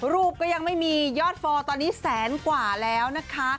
ก็ยังไม่มียอดฟอร์ตอนนี้แสนกว่าแล้วนะคะ